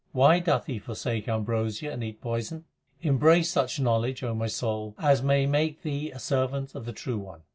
Why doth he forsake ambrosia and eat poison ? Embrace such knowledge, O my soul, As may make thee a servant of the True One.